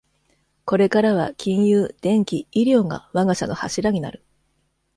これからは金融、電機、医療が我が社の柱になる